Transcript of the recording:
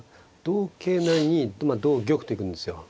同桂成に同玉と行くんですよ。